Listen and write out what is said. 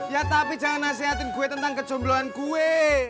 ya tapi jangan nasihatin gue tentang kejombloan kue